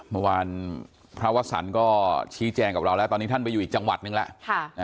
เมื่อวานพระวสันก็ชี้แจงกับเราแล้วตอนนี้ท่านไปอยู่อีกจังหวัดนึงแล้ว